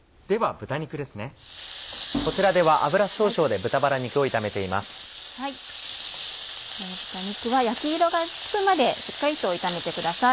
豚肉は焼き色がつくまでしっかりと炒めてください。